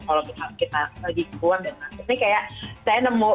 kalau misalnya kita lagi keluar dan masuk